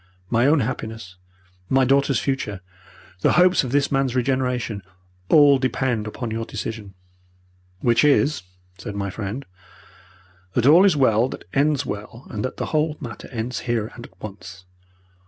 My own happiness, my daughter's future, the hopes of this man's regeneration, all depend upon your decision. "Which is," said my friend, "that all is well that ends well and that the whole matter ends here and at once.